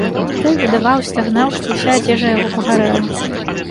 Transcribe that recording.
Той бедаваў і стагнаў, што ўся адзежа яго пагарэла.